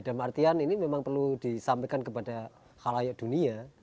dan artian ini memang perlu disampaikan kepada halayak dunia